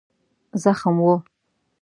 زخم و.